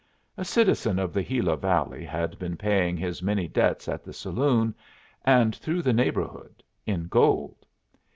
A citizen of the Gila Valley had been paying his many debts at the saloon and through the neighborhood in gold.